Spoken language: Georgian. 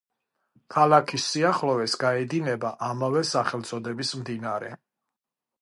ქალაქის სიახლოვეს გაედინება ამავე სახელწოდების მდინარე.